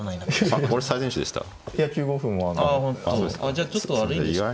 じゃあちょっと悪いんですか。